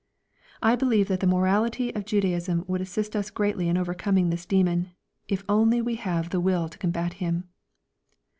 I believe that the morality of Judaism would assist us greatly in overcoming this demon, if only we have the will to combat him.